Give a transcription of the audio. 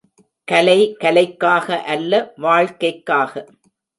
கலை, கலைக்காக அல்ல வாழ்க்கைக்காக.